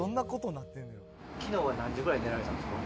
きのうは何時ぐらいに寝られたんですか？